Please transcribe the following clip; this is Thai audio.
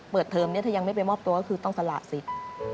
เทอมนี้ถ้ายังไม่ไปมอบตัวก็คือต้องสละสิทธิ์